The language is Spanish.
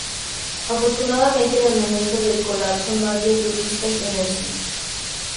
Afortunadamente en el momento del colapso no había turistas en el sitio.